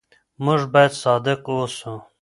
موږ بايد صادق اوسو.